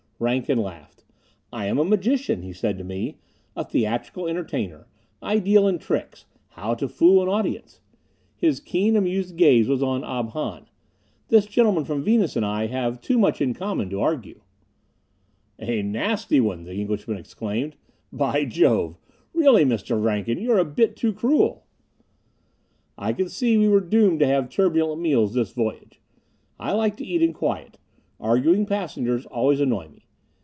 Rankin laughed. "I am a magician," he said to me. "A theatrical entertainer. I deal in tricks how to fool an audience " His keen, amused gaze was on Ob Hahn. "This gentleman from Venus and I have too much in common to argue." "A nasty one!" the Englishman exclaimed. "By Jove! Really, Mr. Rankin, you're a bit too cruel!" I could see we were doomed to have turbulent meals this voyage. I like to eat in quiet; arguing passengers always annoy me.